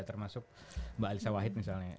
termasuk mbak alisa wahid misalnya